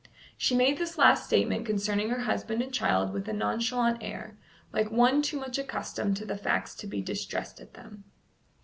She made this last statement concerning her husband and child with a nonchalant air, like one too much accustomed to the facts to be distressed at them.